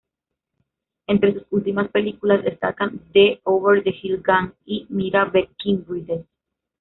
Entre sus últimas películas destacan "The Over-the-Hill Gang" y "Myra Breckinridge".